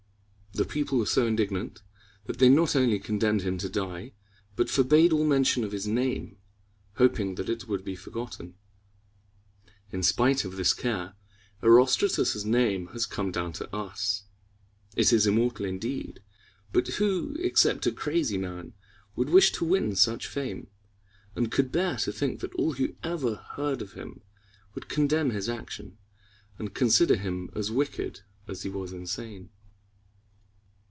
The people were so indignant, that they not only condemned him to die, but forbade all mention of his name, hoping that it would be forgotten. In spite of this care, Erostratus' name has come down to us. It is immortal indeed, but who except a crazy man would wish to win such fame, and could bear to think that all who ever heard of him would condemn his action, and consider him as wicked as he was insane?